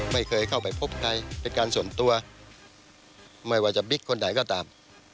ไม่เคยเข้าไปพบใครเป็นการส่วนตัวไม่ว่าจะบิ๊กคนใดก็ตาม